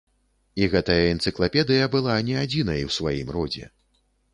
І гэтая энцыклапедыя была не адзінай у сваім родзе.